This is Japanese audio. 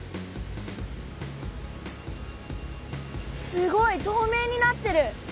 すごいとうめいになってる！